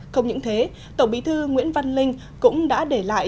không những thế tổng bí thư nguyễn văn linh cũng đã để lại